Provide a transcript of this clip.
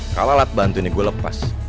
kalah alat bantuinnya gue lepas